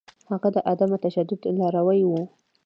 هغه د عدم تشدد لاروی و.